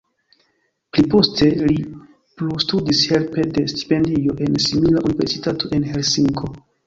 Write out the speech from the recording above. Pli poste li plustudis helpe de stipendio en simila universitato en Helsinko.